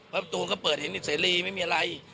เพราะตัวเขาก็เปิดเห็นเสรีไม่มีอะไร